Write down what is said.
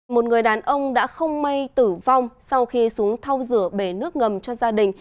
một người đàn ông đã không may tử vong sau khi xuống thau rửa bể nước ngầm cho gia đình